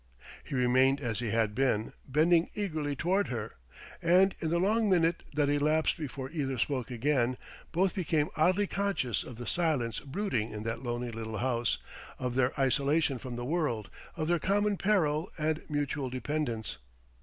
He remained as he had been, bending eagerly toward her. And in the long minute that elapsed before either spoke again, both became oddly conscious of the silence brooding in that lonely little house, of their isolation from the world, of their common peril and mutual dependence.